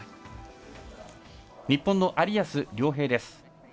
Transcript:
日本の有安諒平です。